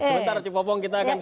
sebentar cu popong kita akan tuntut